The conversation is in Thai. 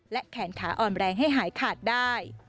และแขนขาอ่อนแรงให้หายขาดได้